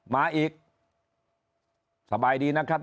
มาอีกสบายดีนะครับ